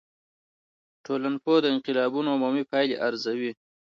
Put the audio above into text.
ټولنپوه د انقلابونو عمومي پایلي ارزوي.